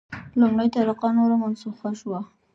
لومړۍ طریقه نوره منسوخه شوه.